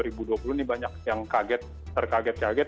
ini banyak yang terkaget kaget